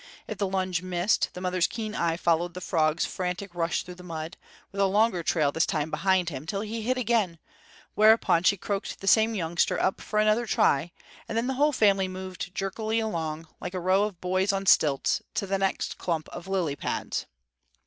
If the lunge missed, the mother's keen eye followed the frog's frantic rush through the mud, with a longer trail this time behind him, till he hid again; whereupon she croaked the same youngster up for another try, and then the whole family moved jerkily along, like a row of boys on stilts, to the next clump of lily pads.